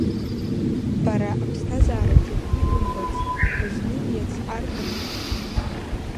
Бара аԥсҭазаараҿы ибымбац, бызнымиац арбану.